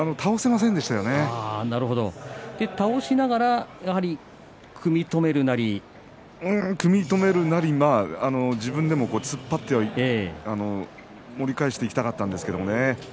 そして倒しながら組み止めるなり、自分でも突っ張って盛り返していきたかったんですけどね。